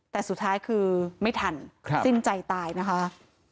แต่สุดท้ายคือไม่ทันสิ้นใจตายนะคะ